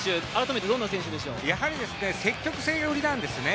積極性が売りなんですね。